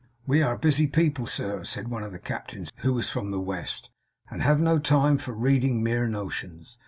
'We are a busy people, sir,' said one of the captains, who was from the West, 'and have no time for reading mere notions.